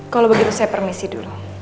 kalau begitu saya permisi dulu